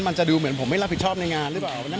มันจะดูเหมือนผมไม่รับผิดชอบในงานหรือเปล่า